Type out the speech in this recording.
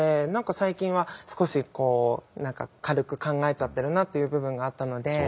何か最近は少し軽く考えちゃってるなっていう部分があったので。